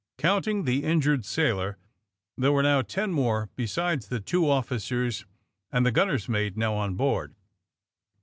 Counting the injured sailor, there were now ten men besides the two officers and the gun ner's mate now on board.